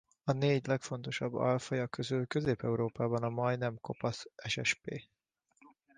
A négy legfontosabb alfaja közül Közép-Európában a majdnem kopasz ssp.